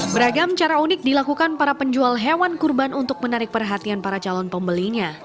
beragam cara unik dilakukan para penjual hewan kurban untuk menarik perhatian para calon pembelinya